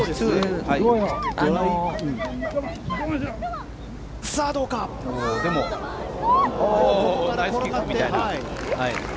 ここから転がって。